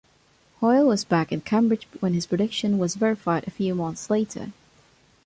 Hoyle was back in Cambridge when his prediction was verified a few months later.